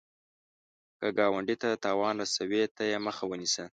که ګاونډي ته تاوان رسوي، ته یې مخه ونیسه